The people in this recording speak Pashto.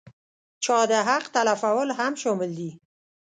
چا د حق تلفول هم شامل دي.